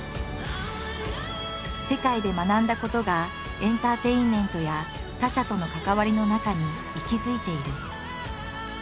世界で学んだことがエンターテインメントや他者との関わりの中に息づいている。